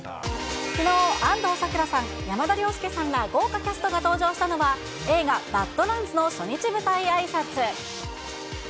きのう、安藤サクラさん、山田涼介さんら、豪華キャストが登場したのは、映画、バッド・ランズの初日舞台あいさつ。